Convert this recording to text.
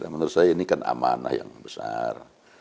menurut saya ini kan amanah yang besar